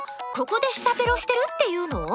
ここで舌ペロしてるっていうの？